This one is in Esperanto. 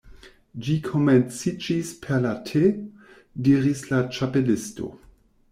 "Ĝi komenciĝis per la Te" diris la Ĉapelisto.